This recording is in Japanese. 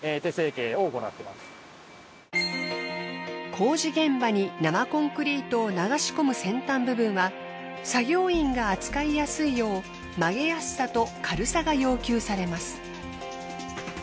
工事現場に生コンクリートを流し込む先端部分は作業員が扱いやすいよう曲げやすさと軽さが要求されます。